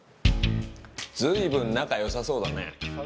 随分仲良さそうだね。